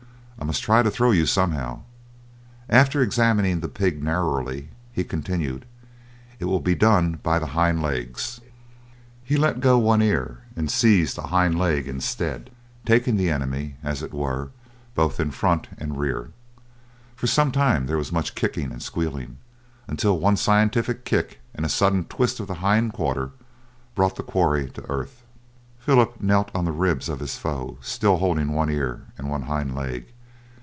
I must try to throw you somehow." After examining the pig narrowly he continued, "It will be done by the hind legs." He let go one ear and seized a hind leg instead, taking the enemy, as it were, both in front and rear. For some time there was much kicking and squealing, until one scientific kick and a sudden twist of the hind quarters brought the quarry to earth. Philip knelt on the ribs of his foe, still holding one ear and one hind leg.